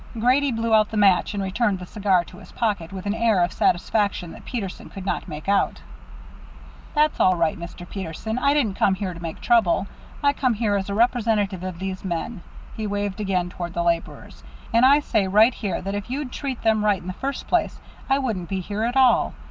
Grady blew out the match and returned the cigar to his pocket, with an air of satisfaction that Peterson could not make out. "That's all right, Mr. Peterson. I didn't come here to make trouble. I come here as a representative of these men" he waved again toward the laborers "and I say right here, that if you'd treated them right in the first place, I wouldn't be here at all.